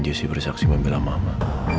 jessica beri saksi membela mama